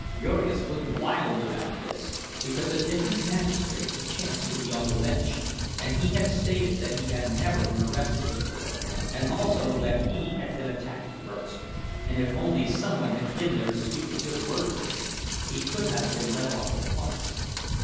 Jurgis was wild about this, because a different magistrate had chanced to be on the bench, and he had stated that he had never been arrested before, and also that he had been attacked first—and if only someone had been there to speak a good word for him, he could have been let off at once.